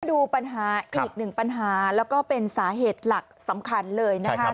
ดูปัญหาอีกหนึ่งปัญหาแล้วก็เป็นสาเหตุหลักสำคัญเลยนะคะ